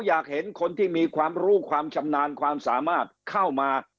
อยากเห็นคนที่มีความรู้ความชำนาญความสามารถเข้ามา